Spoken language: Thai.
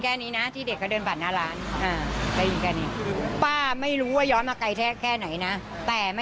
ใกล้กว่านั้น